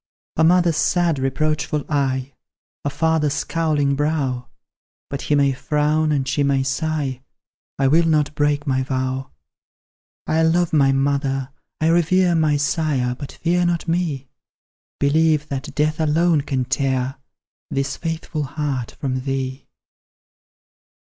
A mother's sad reproachful eye, A father's scowling brow But he may frown and she may sigh: I will not break my vow! I love my mother, I revere My sire, but fear not me Believe that Death alone can tear This faithful heart from thee.